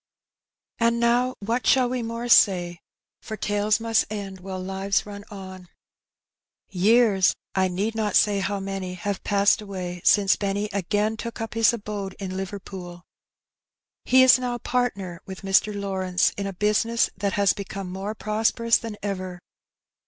And now what shall we more say ? for tales must end while lives run on. Years — I need not say how many — have passed away since Benny again took up his abode in Liverpool. He is now partner with Mr. Lawrence, in a business that has become more prosperous than ever.